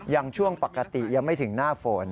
ยังช่วงปกติยังไม่ถึงหน้าฝน